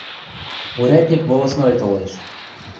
– Урядник волостной толеш...